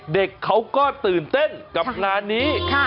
เด็กเขาก็ตื่นเต้นกับงานนี้